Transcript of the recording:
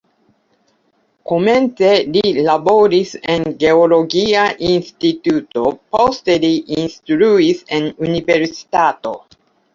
Komence li laboris en geologia instituto, poste li instruis en universitato.